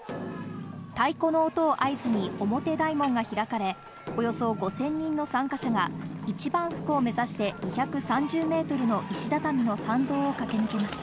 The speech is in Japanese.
太鼓の音を合図に表大門が開かれ、およそ５０００人の参加者が一番福を目指して２３０メートルの石畳の参道を駆け抜けました。